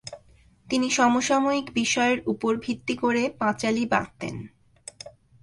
তিনি সমসাময়িক বিষয়ের উপর ভিত্তি করে পাঁচালি বাঁধতেন।